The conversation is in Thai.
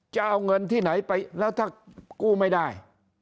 จะเอาเงินที่ไหนไปแล้วถ้ากู้ไม่ได้